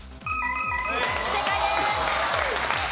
正解です。